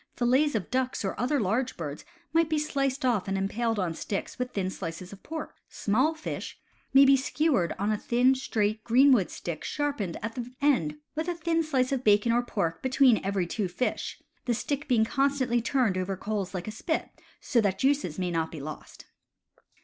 Fillets of ducks or other large birds may be sliced off and impaled on sticks with thin slices of pork. Small fish may be skewered on a thin, straight, greenwood stick, sharpened at the end, with a thin slice of bacon or pork between every two fish, the stick being constantly turned over the coals like a spit, so that juices may not be lost.